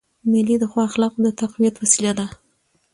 مېلې د ښو اخلاقو د تقویت وسیله دي.